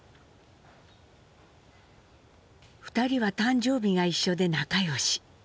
２人は誕生日が一緒で仲良し。